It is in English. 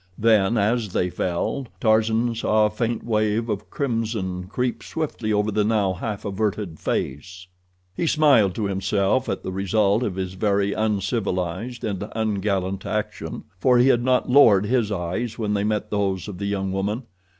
Then, as they fell, Tarzan saw a faint wave of crimson creep swiftly over the now half averted face. He smiled to himself at the result of his very uncivilized and ungallant action, for he had not lowered his own eyes when they met those of the young woman.